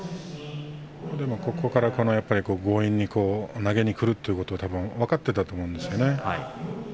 ここから強引に投げにくるんですけどもう分かっていたと思うんですね。